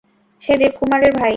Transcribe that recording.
সে দেবকুমারের ভাই।